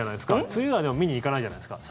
梅雨は、でも見に行かないじゃないですか。